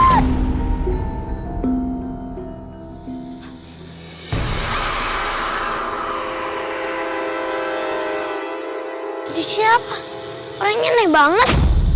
hai di siapa orangnya nih banget